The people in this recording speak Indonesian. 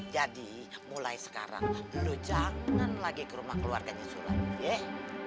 jadi mulai sekarang lu jangan lagi ke rumah keluarganya sulam deh